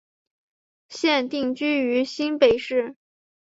现定居于新北市。